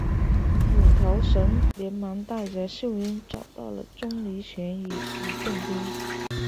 斧头神连忙带着秀英找到了钟离权与吕洞宾。